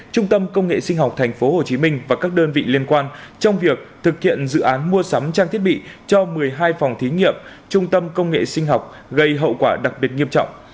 trung tâm công nghệ sinh học tp hcm và các đơn vị liên quan trong việc thực hiện dự án mua sắm trang thiết bị cho một mươi hai phòng thí nghiệm trung tâm công nghệ sinh học gây hậu quả đặc biệt nghiêm trọng